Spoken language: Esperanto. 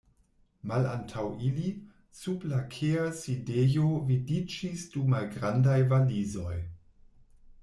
Malantaŭ ili, sub lakea sidejo vidiĝis du malgrandaj valizoj.